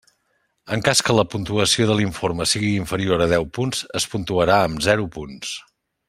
En cas que la puntuació de l'informe sigui inferior a deu punts, es puntuarà amb zero punts.